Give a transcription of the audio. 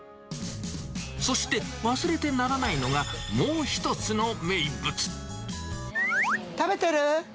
そして忘れてならないのが、食べてる？